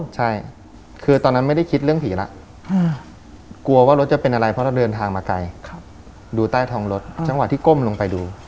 จะเป็นอะไรเพราะเราเดินทางมาไกลครับดูใต้ท้องรถอืมจังหวะที่ก้มลงไปดู